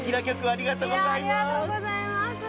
ありがとうございます。